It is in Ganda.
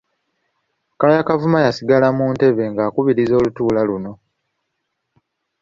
Kaaya Kavuma yasigala mu ntebe ng’akubiriza olutuula luno.